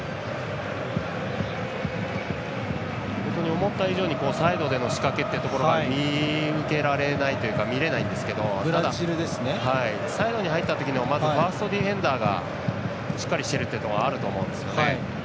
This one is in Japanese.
思った以上にサイドへの仕掛けというのが見受けられないというか見れないんですけどサイドに入ったときの、まずファーストディフェンダーがしっかりしているというところあると思うんですよね。